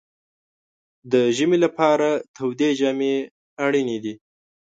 د ژمي لپاره تودې جامې اړینې دي.